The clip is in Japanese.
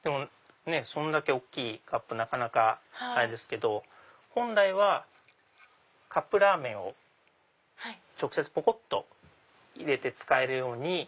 それだけ大きいカップなかなかあれですけど本来はカップラーメンを直接ぽこっと入れて使えるように。